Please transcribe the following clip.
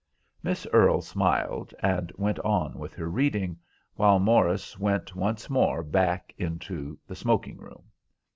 Miss Earle smiled and went on with her reading, while Morris went once more back into the smoking room.